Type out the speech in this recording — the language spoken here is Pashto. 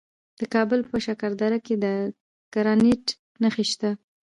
د کابل په شکردره کې د ګرانیټ نښې شته.